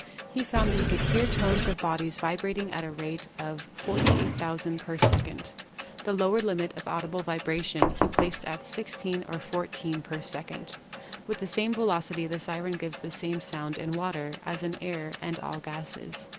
He found that he could hear tones of bodies vibrating at the rate of 48,000 per second. The lower limit of audible vibration he placed at 16 or 14 per second. With the same velocity the siren gives the same sound in water as in air and all gases.